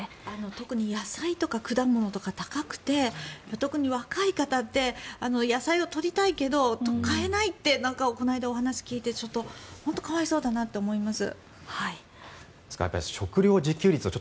特に野菜とか果物とか高くて、特に若い方って野菜を取りたいけど買えないってこの間、お話を聞いて本当に可哀想だなと思います。